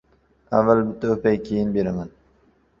Avval bitta o‘pay, keyin beraman.